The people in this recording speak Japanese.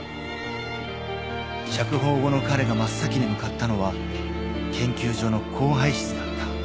［釈放後の彼が真っ先に向かったのは研究所の交配室だった］